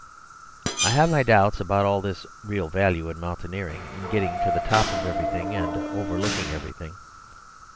I have my doubts about all this real value in mountaineering, in getting to the top of everything and overlooking everything.